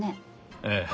ええ。